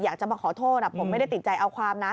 อยากจะมาขอโทษผมไม่ได้ติดใจเอาความนะ